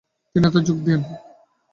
তিনি এতে যোগ দেন।